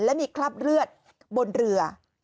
และมีคราบเลือดบนเรือ